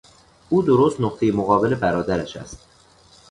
او درست نقطهی مقابل برادرش است.